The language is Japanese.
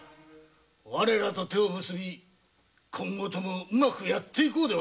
我らと手を結び今後ともうまくやってゆこうぞ。